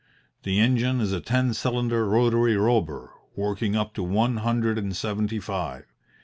The engine is a ten cylinder rotary Robur working up to one hundred and seventy five.